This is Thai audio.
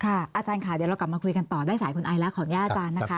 อาจารย์ค่ะเดี๋ยวเรากลับมาคุยกันต่อได้สายคุณไอแล้วขออนุญาตอาจารย์นะคะ